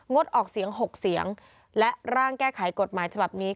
ดออกเสียง๖เสียงและร่างแก้ไขกฎหมายฉบับนี้